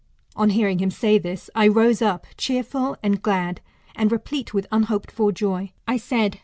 [On hearing him say this,] I rose up, cheerful and glad ; and replete with unhoped for joy, I said.